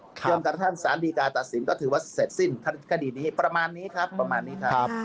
ย่งกับท่านสารดีการตัดสินก็ถือว่าเสร็จสิ้นคดีนี้ประมาณนี้ครับ